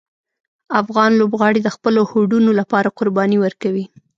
افغان لوبغاړي د خپلو هوډونو لپاره قربانۍ ورکوي.